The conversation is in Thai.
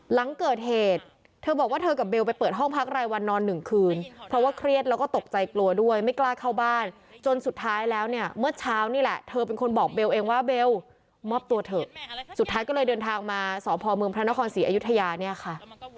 หลังเกิดเหตุเธอบอกว่าเธอกับเบลไปเปิดห้องพักรายวันนอนหนึ่งคืนเพราะว่าเครียดแล้วก็ตกใจกลัวด้วยไม่กล้าเข้าบ้านจนสุดท้ายแล้วเนี่ยเมื่อเช้านี่แหละเธอเป็นคนบอกเบลเองว่าเบลมอบตัวเถอะสุดท้ายก็เลยเดินทางมาสพเมืองพระนครศรีอยุธยาเนี่ยค่ะ